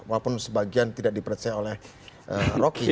walaupun sebagian tidak dipercaya oleh rocky